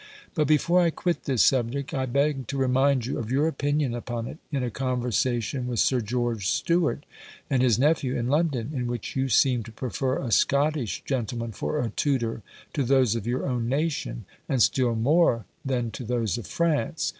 But before I quit this subject, I beg to remind you of your opinion upon it, in a conversation with Sir George Stuart, and his nephew, in London; in which you seemed to prefer a Scottish gentleman for a tutor, to those of your own nation, and still more than to those of France?